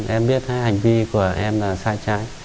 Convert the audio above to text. em biết hành vi của em là sai trái